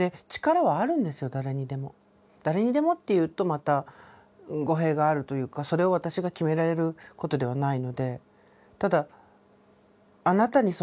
誰にでもっていうとまた語弊があるというかそれを私が決められることではないので。